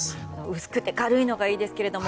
薄くて軽いのがいいですけども。